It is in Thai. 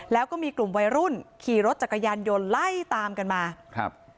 แล้วก็มีกลุ่มวัยรุ่นขี่รถจักรยานยนต์ไล่ตามกันมาครับ